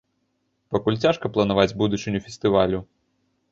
Пакуль цяжка планаваць будучыню фестывалю.